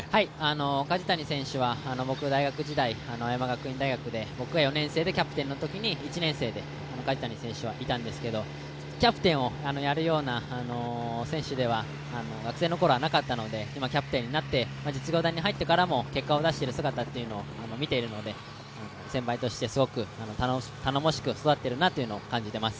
梶谷選手は大学時代、青山学院大学で僕は４年生でキャプテンのときに１年生で梶谷選手はいたんですけど、キャプテンをやるような選手では、学生の頃はなかったのでキャプテンになって実業団になってからも結果を出している姿も見ているので先輩としてすごく頼もしく育っているなというのを感じています。